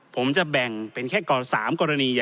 ผมจะแบ่งเป็นแค่๓กรณี